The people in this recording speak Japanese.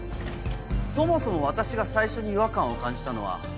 そもそも私が最初に違和感を感じたのは一昨日。